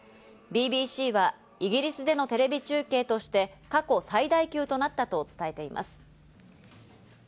ＢＢＣはイギリスでのテレビ中継として過去最大級となったと伝えています。